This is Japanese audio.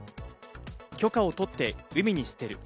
許可を取って海に捨てる。